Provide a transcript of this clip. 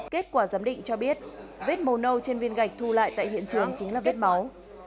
kết quả giám định cho biết vết màu nâu trên viên gạch thu lại tại hiện trường chính là vết máu